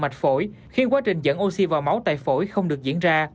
tại phổi không được diễn ra